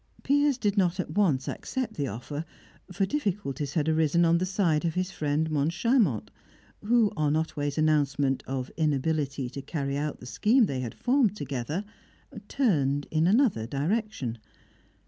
Piers did not at once accept the offer, for difficulties had arisen on the side of his friend Moncharmont, who, on Otway's announcement of inability to carry out the scheme they had formed together, turned in another direction.